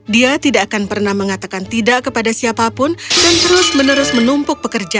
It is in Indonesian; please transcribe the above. dia tidak akan pernah mengatakan tidak kepada siapapun dan terus menerus menumpuk pekerjaan